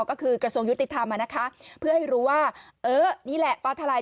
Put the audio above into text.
ก็คือกระทรวงยุติธรรมนะคะเพื่อให้รู้ว่าเออนี่แหละฟ้าทลาย